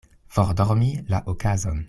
Fordormi la okazon.